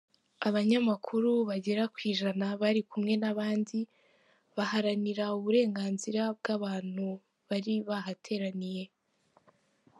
Abanyamakuru bagera ku ijana bari kumwe n’abandi baharanira uburenganzira bwa muntu bari bahateraniye.